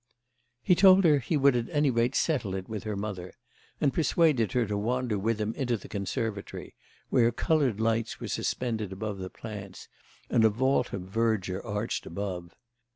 He told her he would at any rate settle it with her mother, and persuaded her to wander with him into the conservatory, where coloured lights were suspended among the plants and a vault of verdure arched above.